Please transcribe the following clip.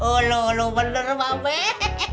ulu ulu bener bang peh